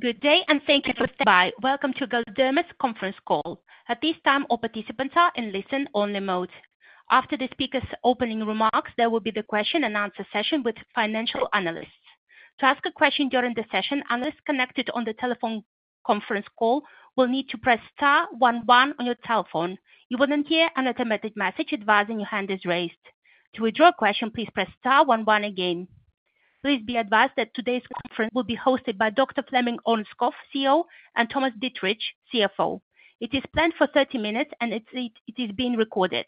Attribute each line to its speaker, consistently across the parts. Speaker 1: Good day, and thank you for standing by. Welcome to Galderma's Conference Call. At this time, all participants are in listen-only mode. After the speaker's opening remarks, there will be the question and answer session with financial analysts. To ask a question during the session, analysts connected on the telephone conference call will need to press star one one on your telephone. You will then hear an automatic message advising your hand is raised. To withdraw a question, please press star one one again. Please be advised that today's conference will be hosted by Dr. Flemming Ørnskov, CEO, and Thomas Dittrich, CFO. It is planned for 30 minutes, and it's- it is being recorded.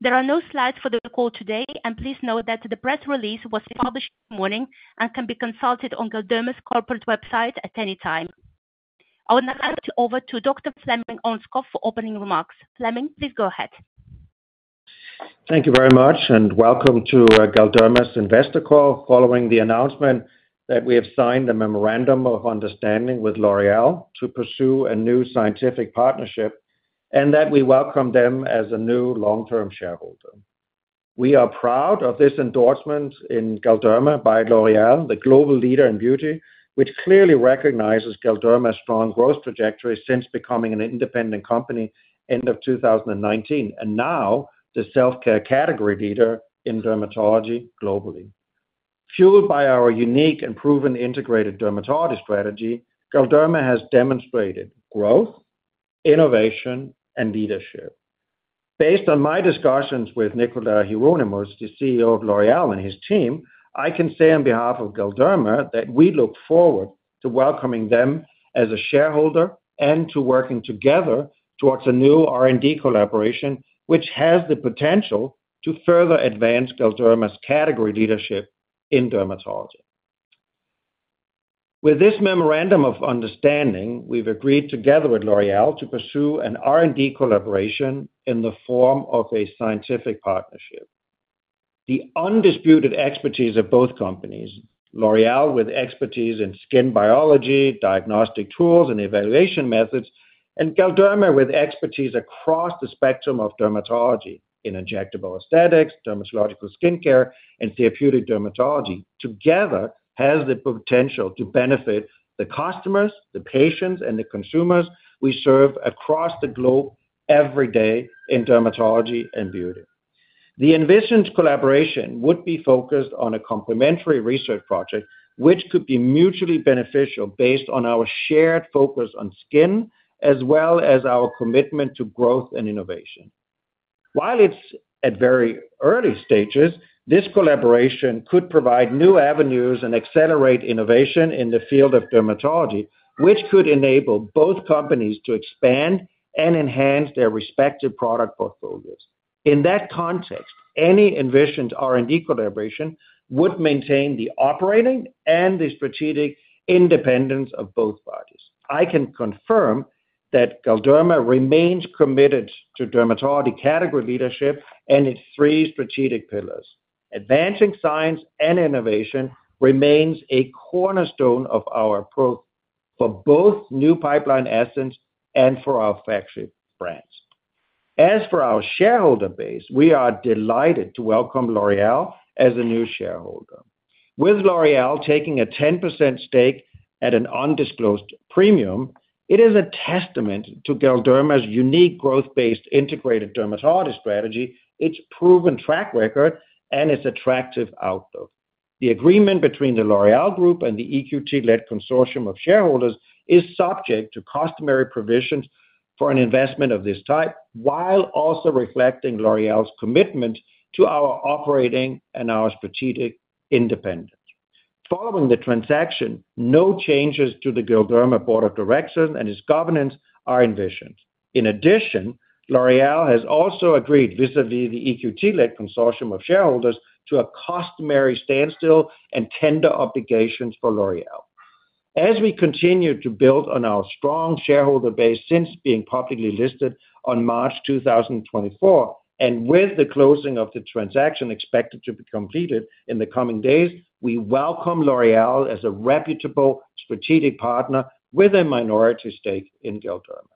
Speaker 1: There are no slides for the call today, and please note that the press release was published this morning and can be consulted on Galderma's corporate website at any time. I would now hand over to Dr. Flemming Ørnskov for opening remarks. Flemming, please go ahead.
Speaker 2: Thank you very much, and welcome to Galderma's Investor Call, following the announcement that we have signed a memorandum of understanding with L'Oréal to pursue a new scientific partnership, and that we welcome them as a new long-term shareholder. We are proud of this endorsement in Galderma by L'Oréal, the global leader in beauty, which clearly recognizes Galderma's strong growth trajectory since becoming an independent company end of 2019, and now the self-care category leader in dermatology globally. Fueled by our unique and proven integrated dermatology strategy, Galderma has demonstrated growth, innovation, and leadership. Based on my discussions with Nicolas Hieronimus, the CEO of L'Oréal, and his team, I can say on behalf of Galderma, that we look forward to welcoming them as a shareholder and to working together towards a new R&D collaboration, which has the potential to further advance Galderma's category leadership in dermatology. With this memorandum of understanding, we've agreed together with L'Oréal to pursue an R&D collaboration in the form of a scientific partnership. The undisputed expertise of both companies, L'Oréal, with expertise in skin biology, diagnostic tools, and evaluation methods, and Galderma, with expertise across the spectrum of dermatology, in injectable aesthetics, dermatological skincare, and therapeutic dermatology, together has the potential to benefit the customers, the patients, and the consumers we serve across the globe every day in dermatology and beauty. The envisioned collaboration would be focused on a complementary research project, which could be mutually beneficial based on our shared focus on skin, as well as our commitment to growth and innovation. While it's at very early stages, this collaboration could provide new avenues and accelerate innovation in the field of dermatology, which could enable both companies to expand and enhance their respective product portfolios. In that context, any envisioned R&D collaboration would maintain the operating and the strategic independence of both parties. I can confirm that Galderma remains committed to dermatology category leadership and its three strategic pillars. Advancing science and innovation remains a cornerstone of our approach for both new pipeline assets and for our category brands. As for our shareholder base, we are delighted to welcome L'Oréal as a new shareholder. With L'Oréal taking a 10% stake at an undisclosed premium, it is a testament to Galderma's unique growth-based integrated dermatology strategy, its proven track record, and its attractive outlook. The agreement between the L'Oréal Group and the EQT-led consortium of shareholders is subject to customary provisions for an investment of this type, while also reflecting L'Oréal's commitment to our operating and our strategic independence. Following the transaction, no changes to the Galderma board of directors and its governance are envisioned. In addition, L'Oréal has also agreed, vis-à-vis the EQT-led consortium of shareholders, to a customary standstill and tender obligations for L'Oréal. As we continue to build on our strong shareholder base since being publicly listed on March 2024, and with the closing of the transaction expected to be completed in the coming days, we welcome L'Oréal as a reputable strategic partner with a minority stake in Galderma.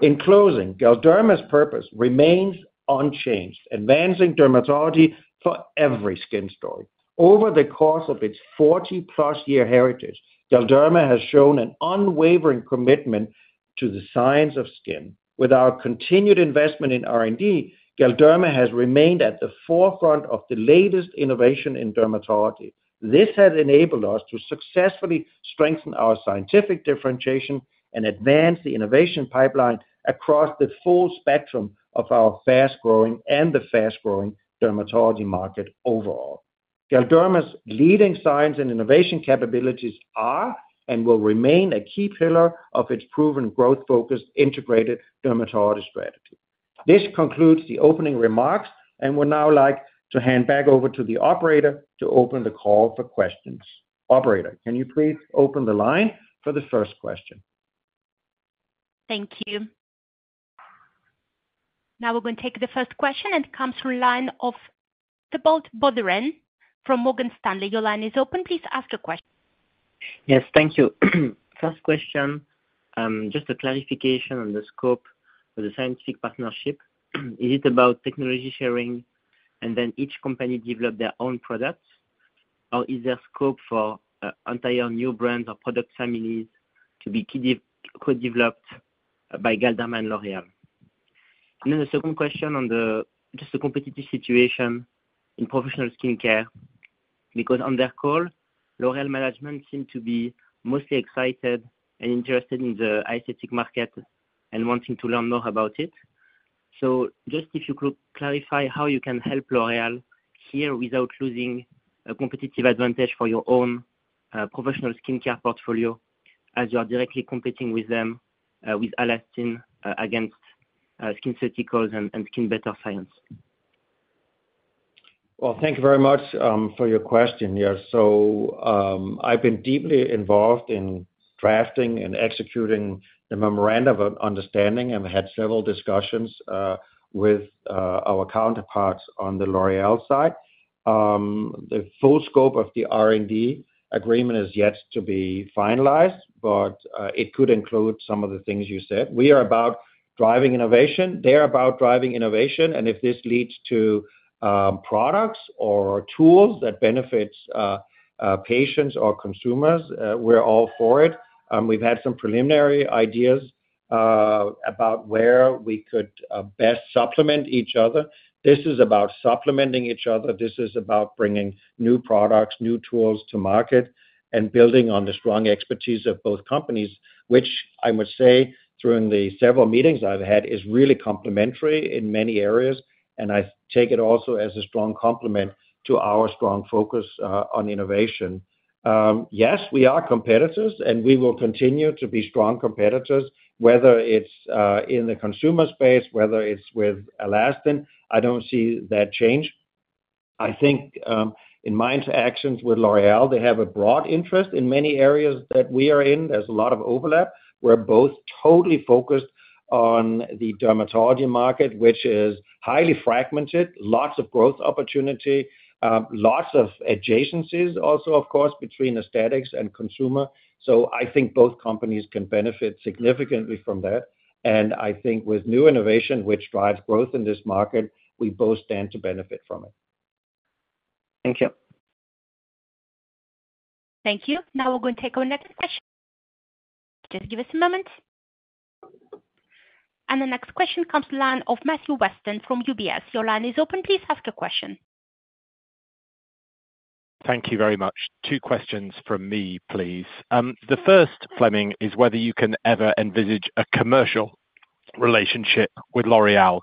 Speaker 2: In closing, Galderma's purpose remains unchanged, advancing dermatology for every skin story. Over the course of its 40-plus year heritage, Galderma has shown an unwavering commitment to the science of skin. With our continued investment in R&D, Galderma has remained at the forefront of the latest innovation in dermatology. This has enabled us to successfully strengthen our scientific differentiation and advance the innovation pipeline across the full spectrum of our fast-growing and the fast-growing dermatology market overall. Galderma's leading science and innovation capabilities are and will remain a key pillar of its proven growth-focused, integrated dermatology strategy. This concludes the opening remarks, and would now like to hand back over to the operator to open the call for questions. Operator, can you please open the line for the first question?
Speaker 1: Thank you. Now we're going to take the first question, and it comes from the line of Thibault Boutherin from Morgan Stanley. Your line is open. Please ask a question.
Speaker 3: Yes, thank you. First question, just a clarification on the scope of the scientific partnership. Is it about technology sharing and then each company develop their own products, or is there scope for entire new brands or product families to be co-developed by Galderma and L'Oréal? And then the second question on just the competitive situation in professional skincare, because on their call, L'Oréal management seemed to be mostly excited and interested in the aesthetic market and wanting to learn more about it. So just if you could clarify how you can help L'Oréal here without losing a competitive advantage for your own professional skincare portfolio, as you are directly competing with them with Alastin against SkinCeuticals and Skinbetter Science.
Speaker 2: Well, thank you very much, for your question here. So, I've been deeply involved in drafting and executing the memorandum of understanding and had several discussions, with, our counterparts on the L'Oréal side. The full scope of the R&D agreement is yet to be finalized, but, it could include some of the things you said. We are about driving innovation, they are about driving innovation, and if this leads to, products or tools that benefits, patients or consumers, we're all for it. We've had some preliminary ideas, about where we could, best supplement each other. This is about supplementing each other. This is about bringing new products, new tools to market, and building on the strong expertise of both companies, which I must say, during the several meetings I've had, is really complementary in many areas, and I take it also as a strong complement to our strong focus on innovation. Yes, we are competitors, and we will continue to be strong competitors, whether it's in the consumer space, whether it's with Alastin, I don't see that change. I think, in my interactions with L'Oréal, they have a broad interest in many areas that we are in. There's a lot of overlap. We're both totally focused on the dermatology market, which is highly fragmented, lots of growth opportunity, lots of adjacencies also, of course, between aesthetics and consumer. So I think both companies can benefit significantly from that. I think with new innovation, which drives growth in this market, we both stand to benefit from it.
Speaker 3: Thank you.
Speaker 1: Thank you. Now we're going to take our next question. Just give us a moment. The next question comes from the line of Matthew Weston from UBS. Your line is open. Please ask your question.
Speaker 4: Thank you very much. Two questions from me, please. The first, Flemming, is whether you can ever envisage a commercial relationship with L'Oréal,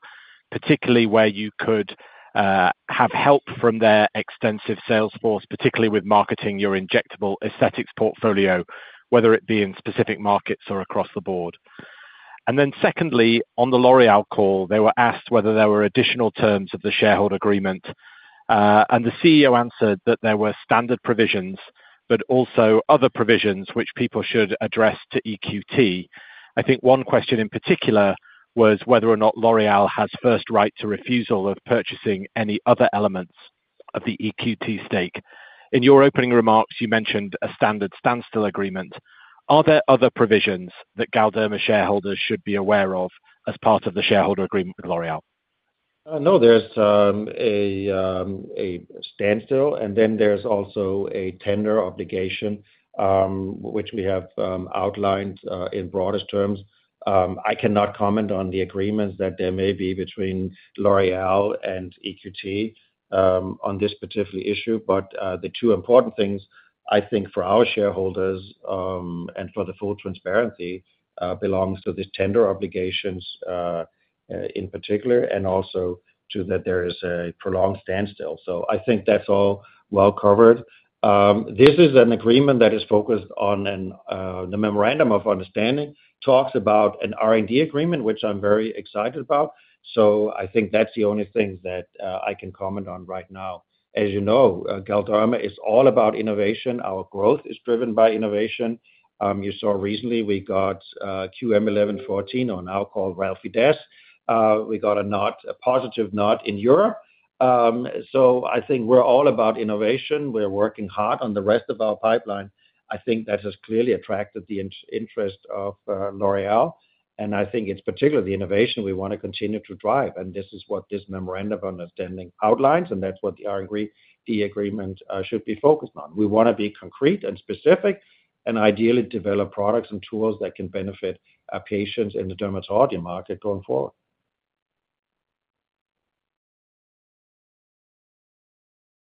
Speaker 4: particularly where you could have help from their extensive sales force, particularly with marketing your injectable aesthetics portfolio, whether it be in specific markets or across the board. And then secondly, on the L'Oréal call, they were asked whether there were additional terms of the shareholder agreement, and the CEO answered that there were standard provisions, but also other provisions which people should address to EQT. I think one question in particular was whether or not L'Oréal has first right to refusal of purchasing any other elements of the EQT stake. In your opening remarks, you mentioned a standard standstill agreement. Are there other provisions that Galderma shareholders should be aware of as part of the shareholder agreement with L'Oréal?
Speaker 2: No, there's a standstill, and then there's also a tender obligation, which we have outlined, in broadest terms. I cannot comment on the agreements that there may be between L'Oréal and EQT, on this particular issue. But, the two important things, I think, for our shareholders, and for the full transparency, belongs to the tender obligations, in particular, and also to that there is a prolonged standstill. So I think that's all well covered. This is an agreement that is focused on and, the memorandum of understanding, talks about an R&D agreement, which I'm very excited about. So I think that's the only thing that, I can comment on right now. As you know, Galderma is all about innovation. Our growth is driven by innovation. You saw recently we got, QM1114 or now called relabotulinumtoxinA. We got a positive note in Europe. So I think we're all about innovation. We're working hard on the rest of our pipeline. I think that has clearly attracted the interest of, L'Oréal, and I think it's particularly the innovation we wanna continue to drive. And this is what this memorandum of understanding outlines, and that's what the R&D agreement should be focused on. We wanna be concrete and specific, and ideally develop products and tools that can benefit our patients in the dermatology market going forward.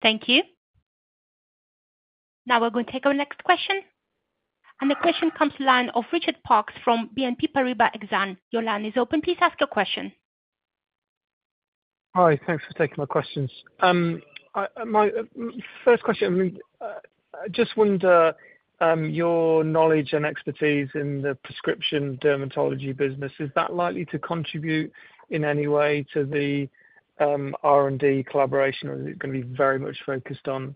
Speaker 1: Thank you. Now we're going to take our next question. The question comes from the line of Richard Parkes from BNP Paribas Exane. Your line is open. Please ask your question.
Speaker 5: Hi, thanks for taking my questions. My first question, I mean, just wonder your knowledge and expertise in the prescription dermatology business, is that likely to contribute in any way to the R&D collaboration, or is it going to be very much focused on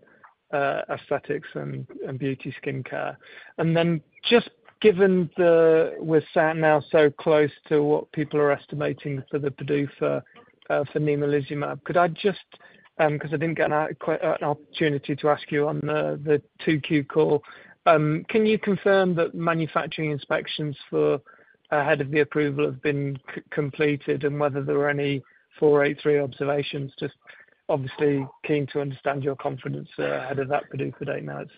Speaker 5: aesthetics and beauty skincare? And then just given that we're sat now so close to what people are estimating for the PDUFA for nemolizumab. Could I just, because I didn't get an opportunity to ask you on the 2Q call, can you confirm that manufacturing inspections for ahead of the approval have been completed, and whether there were any 483 observations? Just obviously keen to understand your confidence ahead of that PDUFA date now it's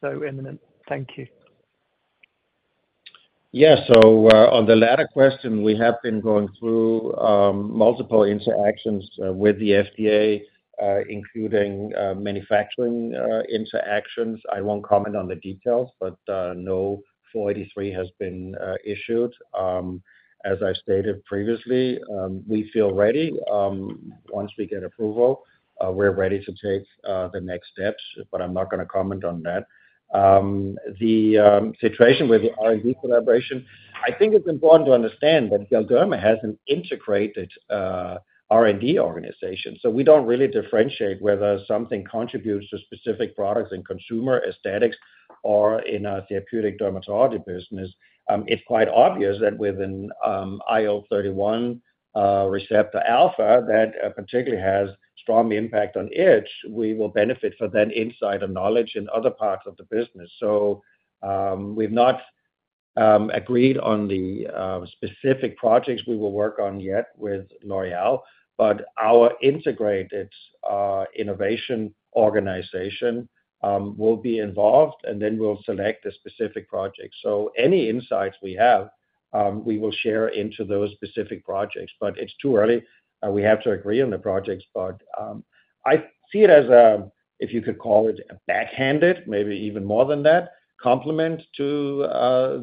Speaker 5: so imminent. Thank you....
Speaker 2: Yeah, so, on the latter question, we have been going through multiple interactions with the FDA, including manufacturing interactions. I won't comment on the details, but no 483 has been issued. As I stated previously, we feel ready. Once we get approval, we're ready to take the next steps, but I'm not gonna comment on that. The situation with the R&D collaboration, I think it's important to understand that Galderma has an integrated R&D organization. So we don't really differentiate whether something contributes to specific products in consumer aesthetics or in our therapeutic dermatology business. It's quite obvious that with an IL-31 receptor alpha, that particularly has strong impact on itch, we will benefit from that insight and knowledge in other parts of the business. So, we've not agreed on the specific projects we will work on yet with L'Oréal, but our integrated innovation organization will be involved, and then we'll select a specific project. So any insights we have, we will share into those specific projects. But it's too early, we have to agree on the projects. But I see it as a, if you could call it a backhanded, maybe even more than that, complement to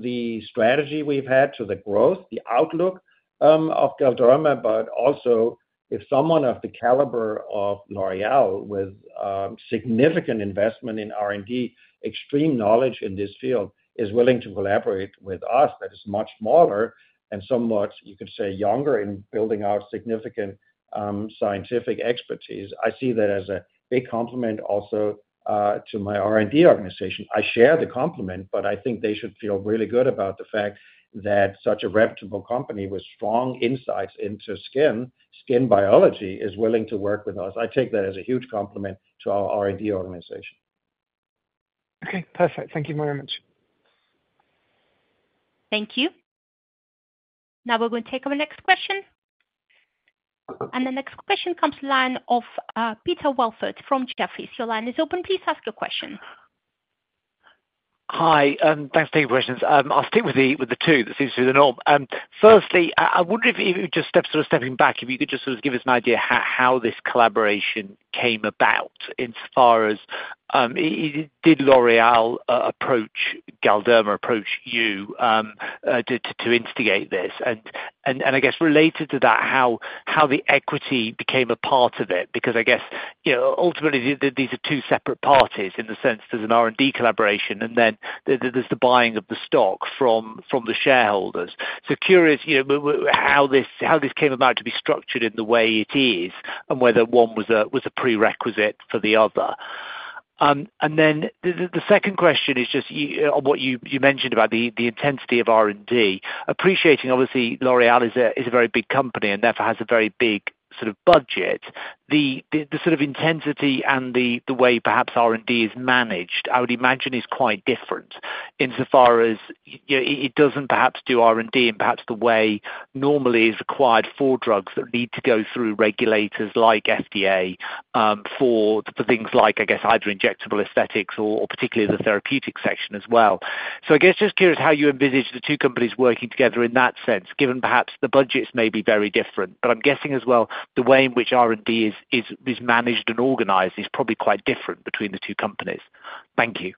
Speaker 2: the strategy we've had to the growth, the outlook of Galderma. But also, if someone of the caliber of L'Oréal, with significant investment in R&D, extreme knowledge in this field, is willing to collaborate with us, that is much smaller and so much, you could say, younger in building our significant scientific expertise, I see that as a big compliment also to my R&D organization. I share the compliment, but I think they should feel really good about the fact that such a reputable company with strong insights into skin, skin biology, is willing to work with us. I take that as a huge compliment to our R&D organization.
Speaker 5: Okay, perfect. Thank you very much.
Speaker 1: Thank you. Now we will take our next question. The next question comes to the line of Peter Welford from Jefferies. Your line is open. Please ask your question.
Speaker 6: Hi, thanks for taking the questions. I'll stick with the two, that seems to be the norm. Firstly, I wonder if you just sort of step back, if you could just sort of give us an idea how this collaboration came about, in as far as, did L'Oréal approach Galderma, approach you, to instigate this? And I guess related to that, how the equity became a part of it? Because I guess, you know, ultimately, these are two separate parties in the sense there's an R&D collaboration, and then there's the buying of the stock from the shareholders. So curious, you know, how this came about to be structured in the way it is, and whether one was a prerequisite for the other. And then the second question is just on what you mentioned about the intensity of R&D. Appreciating, obviously, L'Oréal is a very big company and therefore has a very big sort of budget. The sort of intensity and the way perhaps R&D is managed, I would imagine is quite different, in so far as you know, it doesn't perhaps do R&D in perhaps the way normally is acquired for drugs that need to go through regulators like FDA, for things like, I guess, either injectable aesthetics or particularly the therapeutic section as well. So I guess just curious how you envisage the two companies working together in that sense, given perhaps the budgets may be very different. But I'm guessing as well, the way in which R&D is managed and organized is probably quite different between the two companies. Thank you.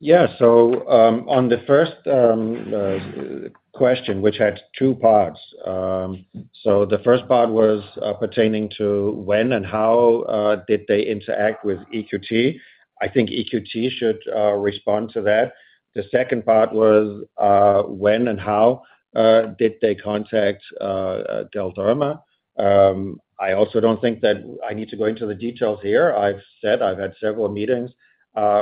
Speaker 2: Yeah. So, on the first question, which had two parts. So the first part was pertaining to when and how did they interact with EQT? I think EQT should respond to that. The second part was when and how did they contact Galderma? I also don't think that I need to go into the details here. I've said I've had several meetings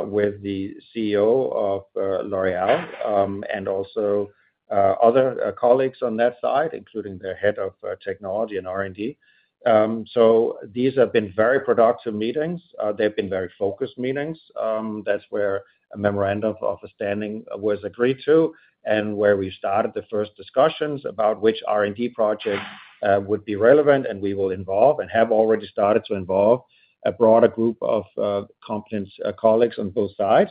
Speaker 2: with the CEO of L'Oréal and also other colleagues on that side, including their head of technology and R&D. So these have been very productive meetings. They've been very focused meetings. That's where a memorandum of understanding was agreed to and where we started the first discussions about which R&D project would be relevant, and we will involve and have already started to involve a broader group of competent colleagues on both sides.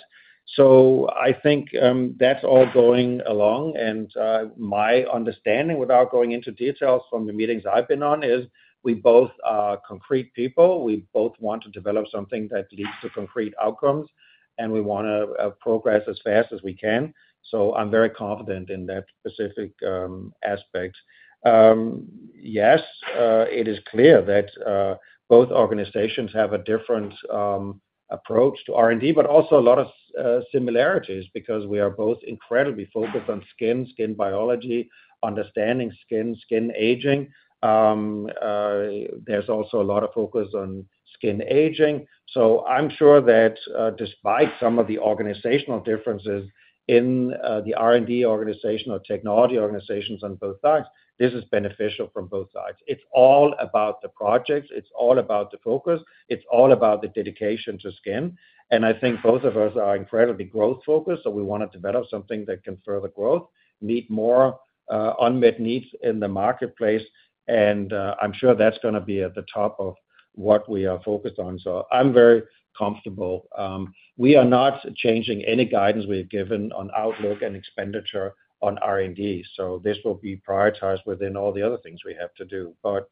Speaker 2: So I think that's all going along. My understanding, without going into details from the meetings I've been on, is we both are concrete people. We both want to develop something that leads to concrete outcomes, and we wanna progress as fast as we can. So I'm very confident in that specific aspect. Yes, it is clear that both organizations have a different approach to R&D, but also a lot of similarities, because we are both incredibly focused on skin, skin biology, understanding skin, skin aging. There's also a lot of focus on skin aging. So I'm sure that, despite some of the organizational differences in the R&D organization or technology organizations on both sides, this is beneficial from both sides. It's all about the projects, it's all about the focus, it's all about the dedication to skin. And I think both of us are incredibly growth focused, so we want to develop something that can further growth, meet more unmet needs in the marketplace, and I'm sure that's gonna be at the top of what we are focused on. So I'm very comfortable. We are not changing any guidance we have given on outlook and expenditure on R&D, so this will be prioritized within all the other things we have to do. But,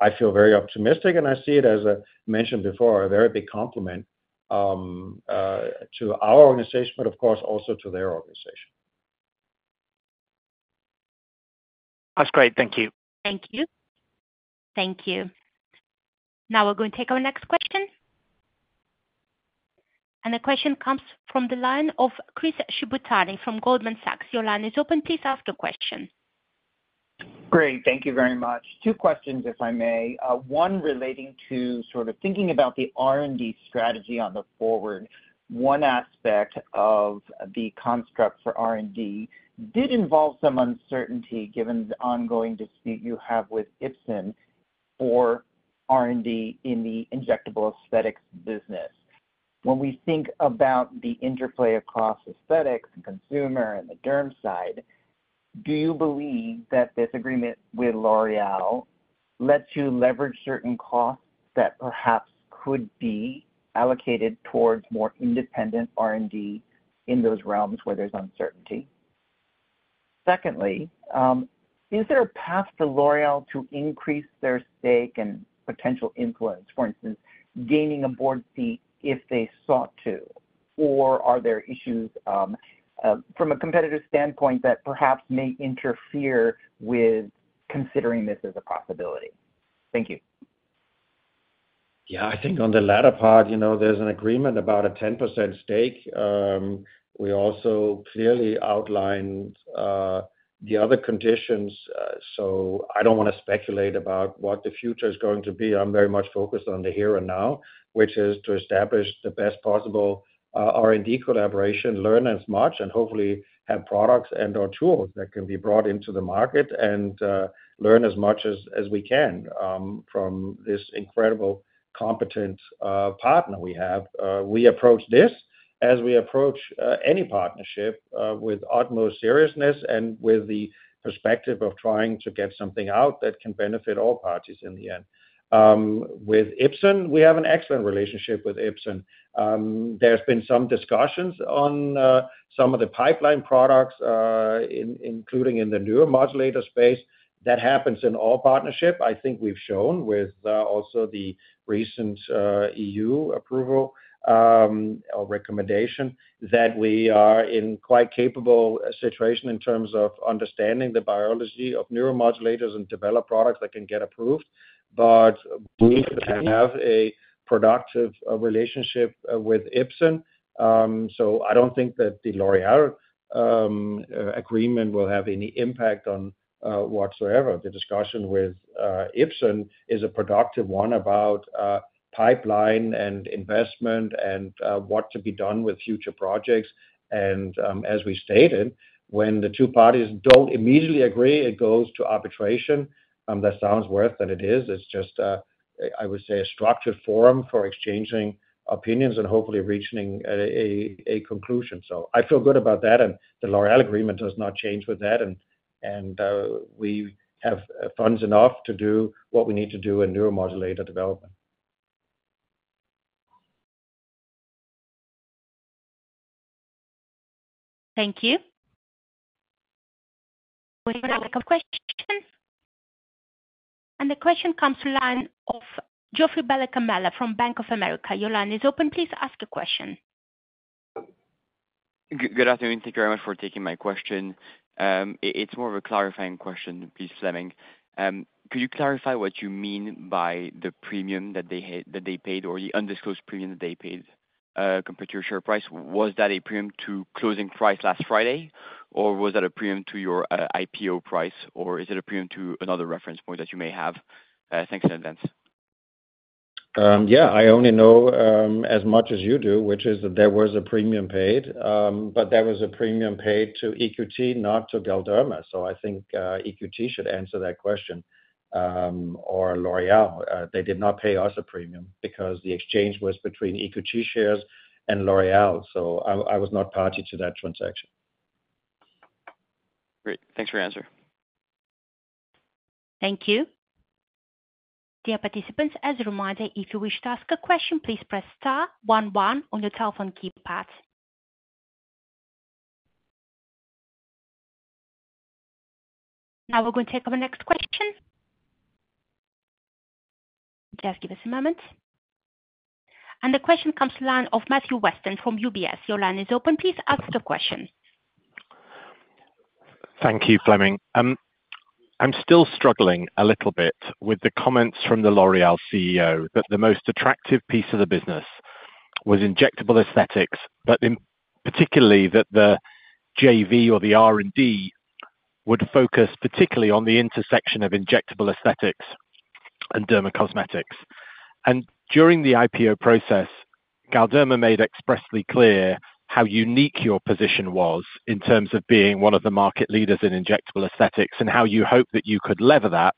Speaker 2: I feel very optimistic, and I see it, as I mentioned before, a very big compliment to our organization, but of course, also to their organization....
Speaker 6: That's great. Thank you.
Speaker 1: Thank you. Thank you. Now we're going to take our next question. The question comes from the line of Chris Shibutani from Goldman Sachs. Your line is open. Please ask your question.
Speaker 7: Great. Thank you very much. Two questions, if I may. One relating to sort of thinking about the R&D strategy on the forward. One aspect of the construct for R&D did involve some uncertainty, given the ongoing dispute you have with Ipsen or R&D in the injectable aesthetics business. When we think about the interplay across aesthetics and consumer and the derm side, do you believe that this agreement with L'Oréal lets you leverage certain costs that perhaps could be allocated towards more independent R&D in those realms where there's uncertainty? Secondly, is there a path to L'Oréal to increase their stake and potential influence, for instance, gaining a board seat if they sought to, or are there issues from a competitive standpoint, that perhaps may interfere with considering this as a possibility? Thank you.
Speaker 2: Yeah, I think on the latter part, you know, there's an agreement about a 10% stake. We also clearly outlined the other conditions, so I don't wanna speculate about what the future is going to be. I'm very much focused on the here and now, which is to establish the best possible R&D collaboration, learn as much, and hopefully have products and/or tools that can be brought into the market and learn as much as we can from this incredible, competent partner we have. We approach this as we approach any partnership with utmost seriousness and with the perspective of trying to get something out that can benefit all parties in the end. With Ipsen, we have an excellent relationship with Ipsen. There's been some discussions on some of the pipeline products, including in the neuromodulator space. That happens in all partnership. I think we've shown with also the recent EU approval or recommendation, that we are in quite capable situation in terms of understanding the biology of neuromodulators and develop products that can get approved. But we have a productive relationship with Ipsen. So I don't think that the L'Oréal agreement will have any impact on whatsoever. The discussion with Ipsen is a productive one about pipeline and investment and what to be done with future projects. And as we stated, when the two parties don't immediately agree, it goes to arbitration. That sounds worse than it is. It's just, I would say, a structured forum for exchanging opinions and hopefully reaching a conclusion. So I feel good about that, and the L'Oréal agreement does not change with that, and we have funds enough to do what we need to do in neuromodulator development.
Speaker 1: Thank you. We're going to take a question, and the question comes to line of Geoffroy de Mendez from Bank of America. Your line is open. Please ask a question.
Speaker 8: Good afternoon. Thank you very much for taking my question. It's more of a clarifying question, please, Flemming. Could you clarify what you mean by the premium that they paid or the undisclosed premium that they paid, compared to your share price? Was that a premium to closing price last Friday, or was that a premium to your IPO price, or is it a premium to another reference point that you may have? Thanks in advance.
Speaker 2: Yeah, I only know as much as you do, which is that there was a premium paid, but there was a premium paid to EQT, not to Galderma. So I think EQT should answer that question, or L'Oréal. They did not pay us a premium because the exchange was between EQT shares and L'Oréal, so I was not party to that transaction.
Speaker 8: Great. Thanks for your answer.
Speaker 1: Thank you. Dear participants, as a reminder, if you wish to ask a question, please press star one one on your telephone keypad. Now we're going to take our next question. Just give us a moment. The question comes to line of Matthew Weston from UBS. Your line is open. Please ask the question.
Speaker 4: Thank you, Flemming. I'm still struggling a little bit with the comments from the L'Oréal CEO, that the most attractive piece of the business was injectable aesthetics, but particularly that the JV or the R&D would focus particularly on the intersection of injectable aesthetics and dermacosmetics. During the IPO process, Galderma made expressly clear how unique your position was in terms of being one of the market leaders in injectable aesthetics, and how you hope that you could leverage that,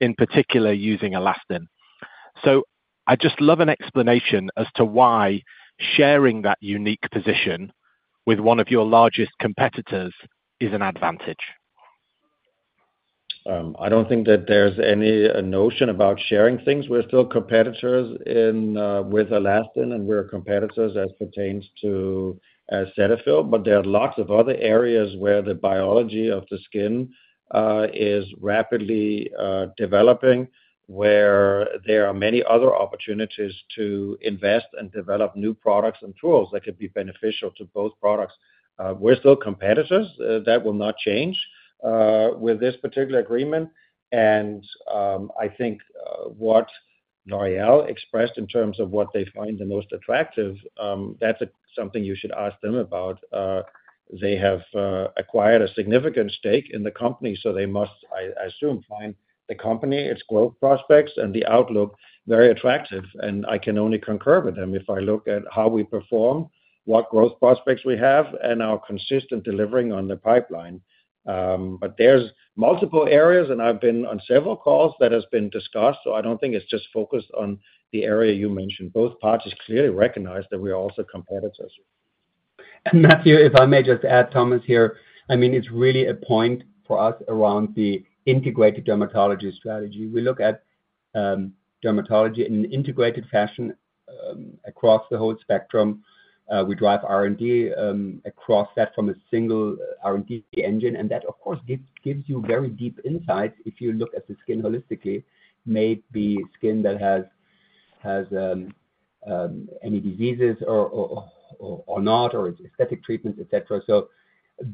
Speaker 4: in particular using Alastin. So I'd just love an explanation as to why sharing that unique position with one of your largest competitors is an advantage.
Speaker 2: I don't think that there's any notion about sharing things. We're still competitors in with Alastin, and we're competitors as pertains to Cetaphil, but there are lots of other areas where the biology of the skin is rapidly developing, where there are many other opportunities to invest and develop new products and tools that could be beneficial to both products. We're still competitors that will not change with this particular agreement, and I think what L'Oréal expressed in terms of what they find the most attractive, that's something you should ask them about. They have acquired a significant stake in the company, so they must, I assume, find the company, its growth prospects, and the outlook very attractive, and I can only concur with them. If I look at how we perform, what growth prospects we have, and our consistent delivering on the pipeline. But there's multiple areas, and I've been on several calls that has been discussed, so I don't think it's just focused on the area you mentioned. Both parties clearly recognize that we are also competitors.
Speaker 9: Matthew, if I may just add Thomas here. I mean, it's really a point for us around the integrated dermatology strategy. We look at dermatology in an integrated fashion across the whole spectrum. We drive R&D across that from a single R&D engine, and that, of course, gives you very deep insights if you look at the skin holistically, maybe skin that has any diseases or not, or aesthetic treatments, et cetera. So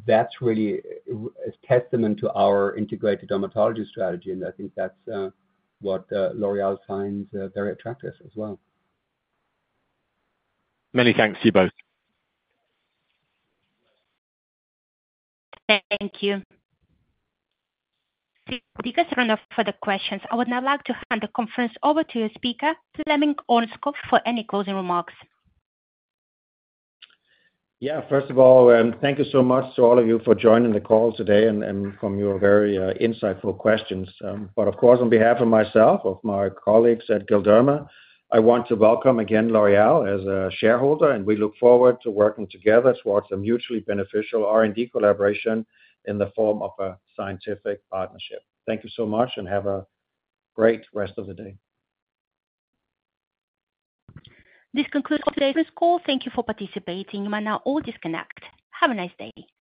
Speaker 9: that's really a testament to our integrated dermatology strategy, and I think that's what L'Oréal finds very attractive as well.
Speaker 4: Many thanks to you both.
Speaker 1: Thank you. Because we're out of further questions, I would now like to hand the conference over to your speaker, Flemming Ørnskov, for any closing remarks.
Speaker 2: Yeah, first of all, thank you so much to all of you for joining the call today and from your very insightful questions. But of course, on behalf of myself, of my colleagues at Galderma, I want to welcome again L'Oréal as a shareholder, and we look forward to working together towards a mutually beneficial R&D collaboration in the form of a scientific partnership. Thank you so much, and have a great rest of the day.
Speaker 1: This concludes today's call. Thank you for participating. You may now all disconnect. Have a nice day.